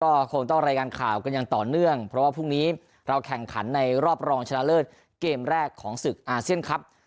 ก็คงต้องรายงานข่าวกันอย่างต่อเนื่องเพราะว่าพรุ่งนี้เราแข่งขันในรอบรองชนะเลิศเกมแรกของศึกอาเซียนครับ